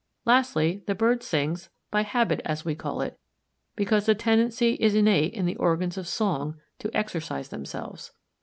Lastly, the bird sings by habit, as we call it because the tendency is innate in the organs of song to exercise themselves."